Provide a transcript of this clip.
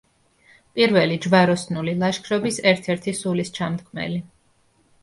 პირველი ჯვაროსნული ლაშქრობის ერთ-ერთი სულისჩამდგმელი.